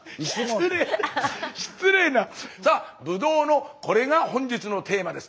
さあブドウのこれが本日のテーマです。